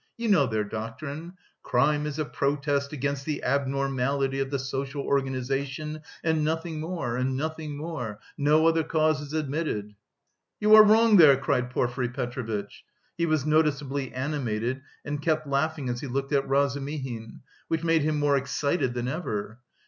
You know their doctrine; crime is a protest against the abnormality of the social organisation and nothing more, and nothing more; no other causes admitted!..." "You are wrong there," cried Porfiry Petrovitch; he was noticeably animated and kept laughing as he looked at Razumihin, which made him more excited than ever.